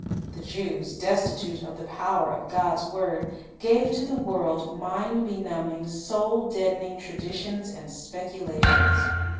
The Jews, destitute of the power of God's word, gave to the world mind benumbing, soul deadening traditions and speculations.